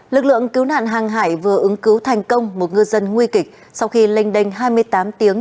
lực lượng cứu nạn hàng hải vừa ứng cứu thành công một ngư dân nguy kịch sau khi lênh đênh hai mươi tám tiếng